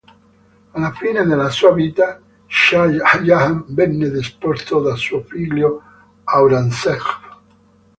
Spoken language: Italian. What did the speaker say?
Alla fine della sua vita, Shah Jahan venne deposto da suo figlio Aurangzeb.